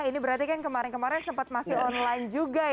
ini berarti kan kemarin kemarin sempat masih online juga ya